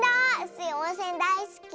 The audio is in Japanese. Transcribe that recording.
スイおんせんだいすき。